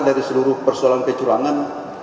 dari seluruh persoalan kecurangan